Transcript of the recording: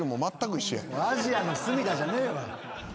アジアンの隅田じゃねえわ。